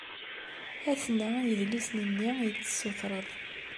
Aten-a yidlisen-nni i d-tessutreḍ.